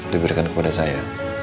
diberikan kepada saya